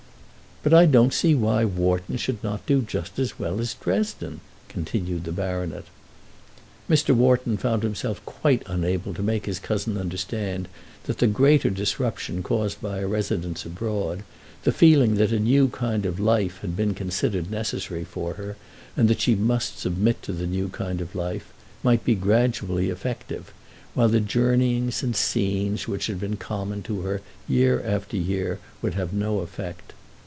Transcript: "But I don't see why Wharton should not do just as well as Dresden," continued the baronet. Mr. Wharton found himself quite unable to make his cousin understand that the greater disruption caused by a residence abroad, the feeling that a new kind of life had been considered necessary for her, and that she must submit to the new kind of life, might be gradually effective, while the journeyings and scenes which had been common to her year after year would have no effect.